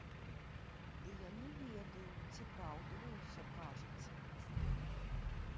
Ды я не ведаю, ці праўду вы ўсё кажаце.